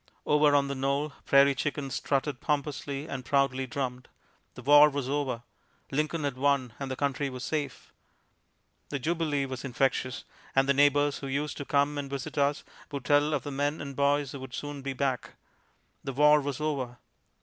Over on the knoll, prairie chickens strutted pompously and proudly drummed. The war was over! Lincoln had won, and the country was safe! The jubilee was infectious, and the neighbors who used to come and visit us would tell of the men and boys who would soon be back. The war was over!